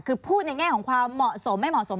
คือพูดในแง่ของความเหมาะสมไม่เหมาะสม